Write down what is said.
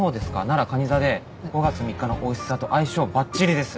ならかに座で５月３日のおうし座と相性ばっちりです。